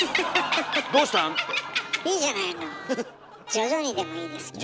徐々にでもいいですけど。